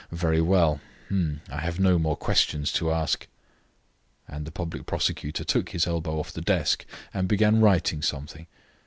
Very well, I have no more questions to ask." And the public prosecutor took his elbow off the desk, and began writing something.